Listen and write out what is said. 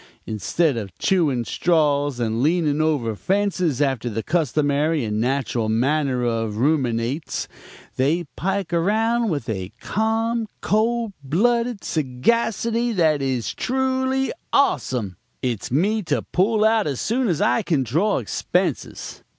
Instead of chewing straws and leaning over fences after the customary and natural manner of ruminates, they pike around with a calm, cold blooded sagacity that is truly awesome. It's me to pull out as soon as I can draw expenses.'